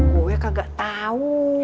gue kagak tau